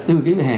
từ cái vỉa hè